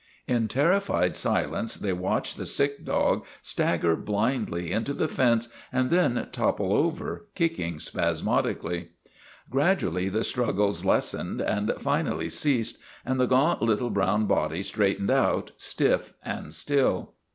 In terrified silence they watched the sick dog stagger blindly into the fence and then topple over, kicking spasmodically. Gradually the struggles les sened and finally ceased, and the gaunt little brown body straightened out, stiff and still.